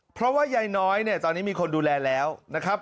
เพราะว่ายายน้อยเนี่ยตอนนี้มีคนดูแลแล้วนะครับ